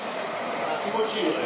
気持ちいいよね。